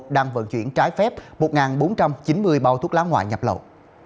đang vận chuyển trái phép một bốn trăm chín mươi bao thuốc lá ngoại nhập lậu